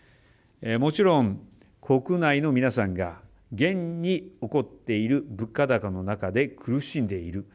もちろん、国内の皆さんが現に起こっている物価高の中で苦しんでいる。